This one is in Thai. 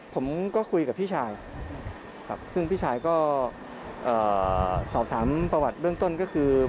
ผมก็คุยกับพี่ชายครับซึ่งพี่ชายก็สอบถามประวัติเบื้องต้นก็คือ